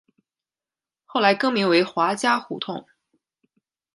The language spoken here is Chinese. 后来更名为华嘉胡同。